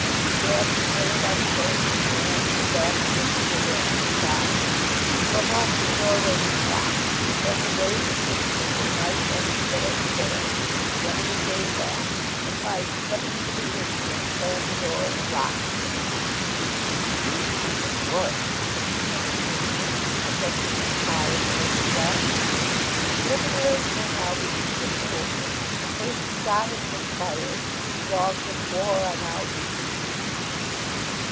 He grabbed Spiller by the shoulders and ran him back against the advancing crowd. For a moment the doorway was blocked, then the weight and impetus of Mike and Spiller prevailed, the enemy gave back, and Mike, stepping into the room again, slammed the door and locked it. "A neat piece of work," said Psmith approvingly, adjusting his tie at the looking glass. "The preliminaries may now be considered over, the first shot has been fired. The dogs of war are now loose."